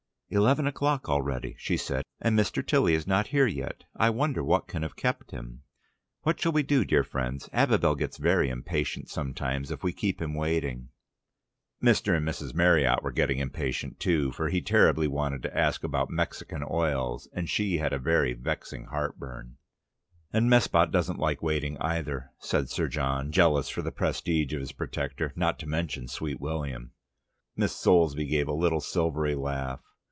"Eleven o'clock already," she said, "and Mr. Tilly is not here yet. I wonder what can have kept him. What shall we do, dear friends? Abibel gets very impatient sometimes if we keep him waiting." Mr. and Mrs. Meriott were getting impatient too, for he terribly wanted to ask about Mexican oils, and she had a very vexing heartburn. "And Mespot doesn't like waiting either," said Sir John, jealous for the prestige of his protector, "not to mention Sweet William." Miss Soulsby gave a little silvery laugh.